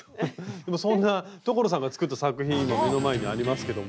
でもそんな所さんが作った作品今目の前にありますけども。